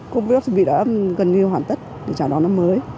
công viên chuẩn bị đã gần như hoàn tất để trả đón năm mới